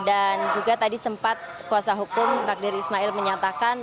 dan juga tadi sempat kuasa hukum magdir ismail menyatakan